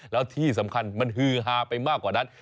แล้วที่สำคัญมันฮือฮาไปมากกว่านั้น